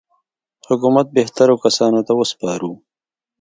حکومت بهترو کسانو ته وسپارو.